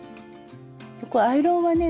ここアイロンはね